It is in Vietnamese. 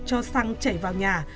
cho xăng chảy vào nhà